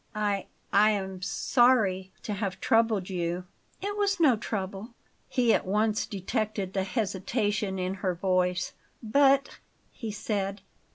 I I am sorry to have troubled you." "It was no trouble." He at once detected the hesitation in her voice. "'But?'" he said.